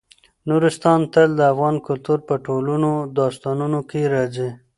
نورستان تل د افغان کلتور په ټولو داستانونو کې راځي.